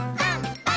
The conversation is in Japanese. パン！